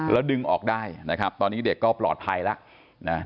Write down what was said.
แล้วดึงออกได้นะครับตอนนี้เด็กก็ปลอดภัยแล้วนะ